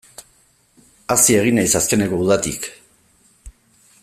Hazi egin naiz azkeneko udatik.